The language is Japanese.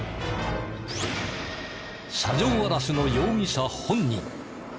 車上あらしの容疑者本人。